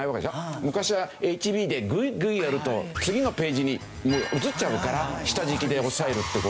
昔はＨＢでぐいぐいやると次のページに写っちゃうから下敷きで抑えるって事。